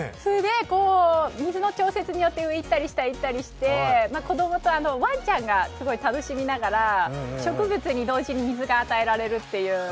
水の調節によって、浮いたり下いったりして、子供とワンちゃんがすごい楽しみながら、植物に同時に水が与えられるっていう。